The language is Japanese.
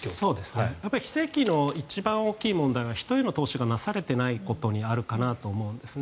非正規の一番の問題は人への投資がなされてないことにあるかなと思いますね。